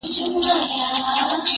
د نسترن څڼو کي-